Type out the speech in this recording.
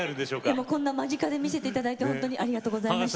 今こんな間近で見せて頂いて本当にありがとうございました。